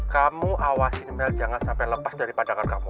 kamu awasi mel jangan sampai lepas dari pandangan kamu